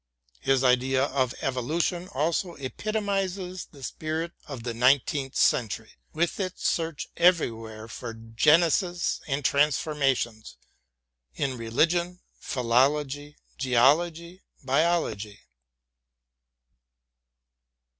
His idea of evolution also epitomizes the spirit of the nineteenth century with its search everywhere for geneses and transformations — in religion, philology, geology, biology.